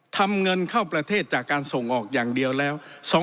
ทำเงินเข้าประเทศจากการส่งออกอย่างเดียวแล้ว